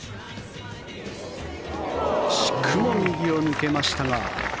惜しくも右を抜けましたが。